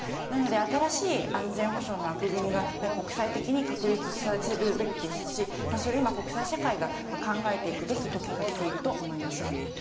なので新しい安全保障の枠組みが国際的に確立させるべきですしそれを今、国際社会が考えていくべき時が来ていると思います。